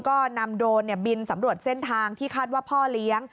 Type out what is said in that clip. ก็นำโดรนบินสำรวจเส้นทางที่คาดว่าพ่อเลี้ยง